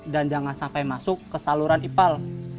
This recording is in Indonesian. dan jangan sampai masuk ke saluran ipal